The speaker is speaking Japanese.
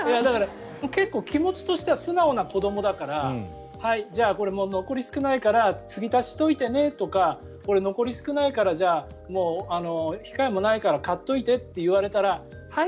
結構、気持ちとしては素直な子どもだからじゃあ、これ残り少ないから継ぎ足ししといてねとかこれ、残り少ないからもう控えもないから買っておいてと言われたらはい！